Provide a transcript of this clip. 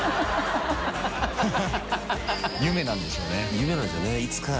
夢なんですよねいつか。